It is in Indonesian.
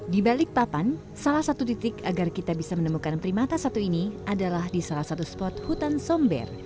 di balik papan salah satu titik agar kita bisa menemukan primata satu ini adalah di salah satu spot hutan somber